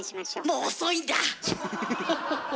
もう遅いんだ！